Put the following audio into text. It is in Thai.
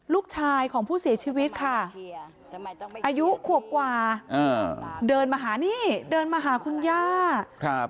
ลูกชายของผู้เสียชีวิตค่ะอายุขวบกว่าอ่าเดินมาหานี่เดินมาหาคุณย่าครับ